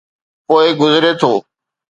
پوءِ گذري ٿو.